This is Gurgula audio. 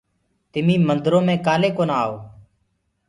تمي مندرو مي ڪآلي ڪونآ آئو؟